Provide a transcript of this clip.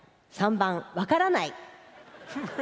３番、分からない。